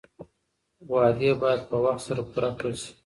وعدې باید په وخت سره پوره کړل شي.